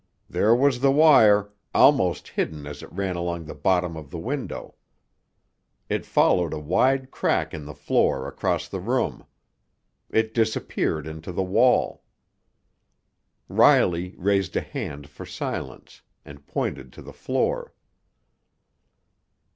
There was the wire, almost hidden as it ran along the bottom of the window. It followed a wide crack in the floor across the room. It disappeared into the wall. Riley raised a hand for silence, and pointed to the floor.